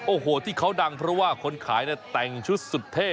โอ้โหที่เขาดังเพราะว่าคนขายแต่งชุดสุดเท่